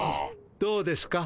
どうですか？